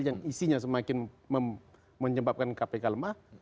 yang isinya semakin menyebabkan kpk lemah